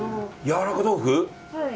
やわらか豆腐？